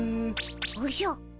おじゃ。